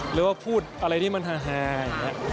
หรือว่าพูดอะไรที่มันฮาอย่างนี้